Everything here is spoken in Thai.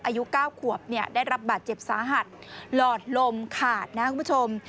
อายุ๙ขวบได้รับบัตรเจ็บสาหัสหลอดลมขาดนะครับคุณผู้ชม